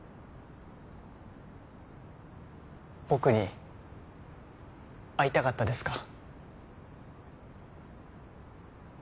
僕に会いたかったですか？